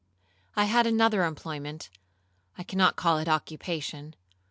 I had another employment,—I cannot call it occupation.